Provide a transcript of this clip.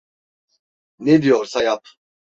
Ne diyorsa yap.